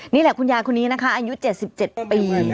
นี่แหละคุณยายคนนี้นะคะอายุ๗๗ปี